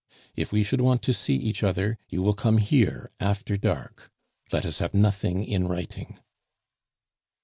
If we should want to see each other, you will come here after dark. Let us have nothing in writing."